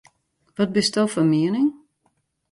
Wat bisto fan miening?